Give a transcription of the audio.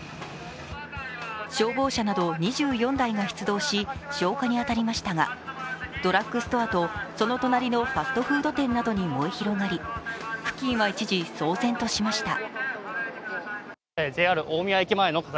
消防車など２４台が出動し消火に当たりましたが、ドラッグストアとその隣のファストフード店などに燃え広がり、付近は一時騒然としました。